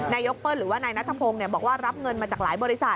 นายกเปิ้ลหรือว่านายนัทพงศ์บอกว่ารับเงินมาจากหลายบริษัท